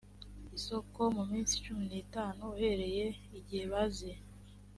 isoko mu minsi cumi n itanu uhereye igihe baziye